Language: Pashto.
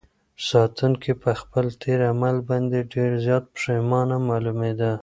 ساتونکي په خپل تېر عمل باندې ډېر زیات پښېمانه معلومېده.